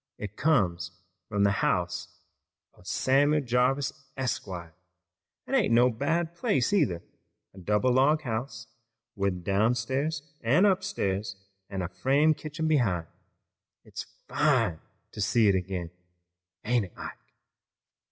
It comes from the house o' Samuel Jarvis, Esquire, an' it ain't no bad place, either, a double log house, with a downstairs an' upstairs, an' a frame kitchen behin'. It's fine to see it ag'in, ain't it, Ike?"